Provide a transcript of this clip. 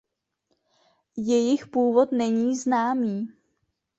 Jejich původ není známý.